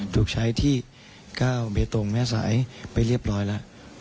ถูกใช้ที่๙เมตตงแม่สายไปเรียบร้อยแล้ว